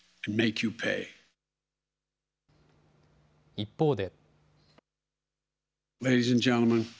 一方で。